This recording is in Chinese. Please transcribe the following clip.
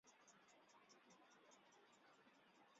毕业于国立成功大学化学系。